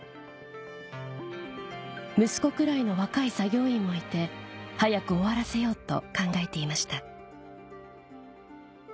息子くらいの若い作業員もいて早く終わらせようと考えていました